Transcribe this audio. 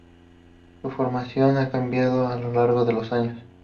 Su formación ha cambiado a lo largo de los años.